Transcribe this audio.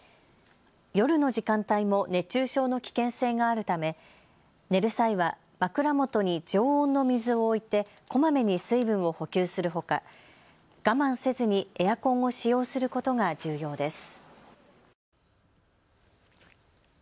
夜の時間帯も熱中症の危険性があるため寝る際は枕元に常温の水を置いてこまめに水分を補給するほか我慢せずにエアコンを使用することが重要です。